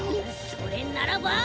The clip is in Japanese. それならば。